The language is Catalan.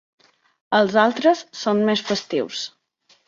Els altres són més festius.